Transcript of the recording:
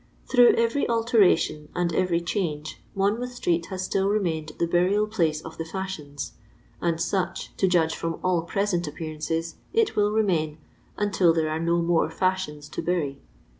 " Through every alteration and every change Monmouth street has still remained the burial place of the fashions ; and such, to judge from all present appearances, it will remain until there are no more tiashions to bury."